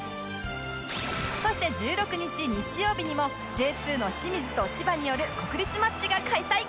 そして１６日日曜日にも Ｊ２ の清水と千葉による国立マッチが開催